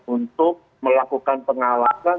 untuk melakukan pengawasan